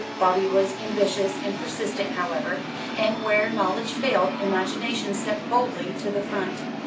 Bobby was ambitious and persistent, however, and where knowledge failed, imagination stepped boldly to the front.